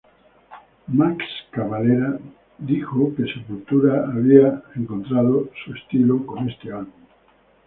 Max Cavalera dijo que Sepultura había encontrado su estilo con este álbum.